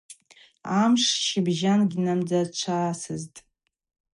Амш щыбжьан гьнамдзачвасызтӏ.